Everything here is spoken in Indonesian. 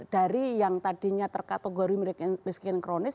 dari yang tadinya terkategori miskin kronis